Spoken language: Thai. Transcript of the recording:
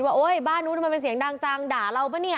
ไอ้ไอ้ไอ้ไอ้ไอ้ไอ้ไอ้ไอ้ไอ้